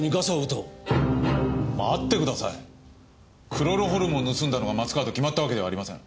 クロロホルムを盗んだのが松川と決まったわけではありません。